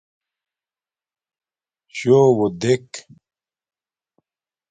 شݸوہ دݵک.